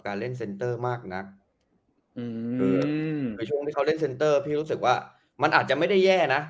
การเล่นเซ็นเตอร์มากนักเวลาเล่นเซ็นเตอร์พี่รู้สึกว่ามันอาจจะไม่ได้แย่นะ